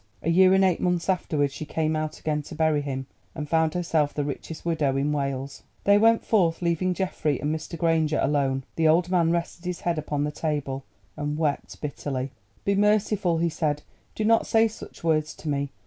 A year and eight months afterwards she came out again to bury him, and found herself the richest widow in Wales. They went forth, leaving Geoffrey and Mr. Granger alone. The old man rested his head upon the table and wept bitterly. "Be merciful," he said, "do not say such words to me.